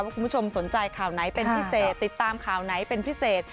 คุณผู้ชมสนใจข่าวไหนเป็นพิเศษติดตามข่าวไหนเป็นพิเศษ